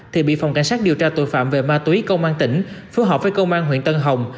thì bị phòng cảnh sát điều tra tội phạm về ma túy công an tỉnh phối hợp với công an huyện tân hồng